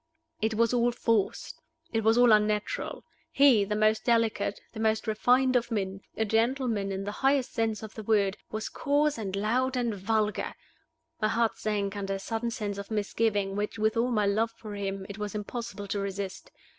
It was all forced: it was all unnatural. He, the most delicate, the most refined of men a gentleman in the highest sense of the word was coarse and loud and vulgar! My heart sank under a sudden sense of misgiving which, with all my love for him, it was impossible to resist.